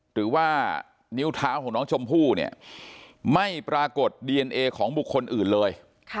หรือว่านิ้วเท้าของน้องชมพู่เนี่ยไม่ปรากฏดีเอนเอของบุคคลอื่นเลย